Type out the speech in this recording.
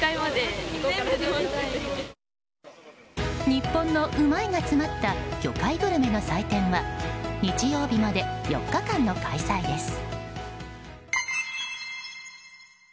日本のうまいが詰まった魚介グルメの祭典は日曜日まで４日間の開催です。